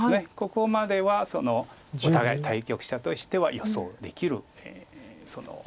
ここまではお互い対局者としては予想できる。